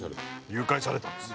誘拐されたんです。